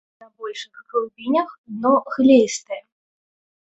На большых глыбінях дно глеістае.